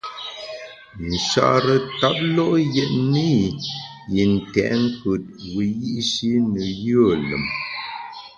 Nchare ntap lo’ yètne yi ntèt nkùt wiyi’shi ne yùe lùm.